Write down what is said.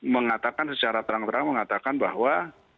mengatakan secara terang terang mengatakan bahwa